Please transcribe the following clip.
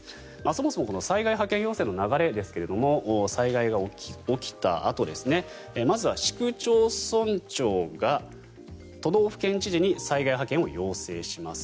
そもそもこの災害派遣要請の流れですが災害が起きたあとまずは市区町村長が都道府県知事に災害派遣を要請します。